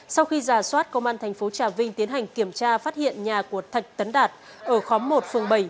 sau khi giả soát công an thành phố trà vinh tiến hành kiểm tra phát hiện nhà của thạch tấn đạt ở khóm một phường bảy